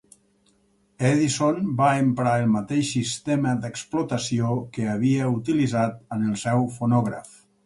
Edison va emprar el mateix sistema d'explotació que havia utilitzat amb el seu fonògraf.